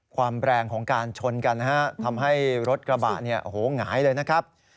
ความแรงของการชนกันฮะทำให้รถกระบะหงายเลยนะครับ